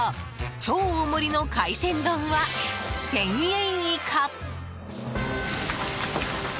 超大盛りの海鮮丼は１０００円以下！